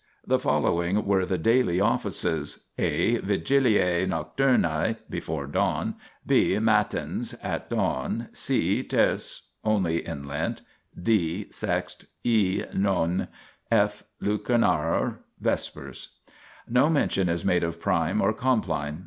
The following were the Daily Offices : (a) Vigilide nocturnae before dawn. (b) Mattins (at dawn). (c) Terce (only in Lent). (d) Sext. (e) None. (f) Lucernare (Vespers). No mention is made of Prime or Compline.